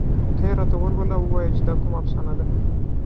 ته یې راته ولوله او ووايه چې دا کومه افسانه ده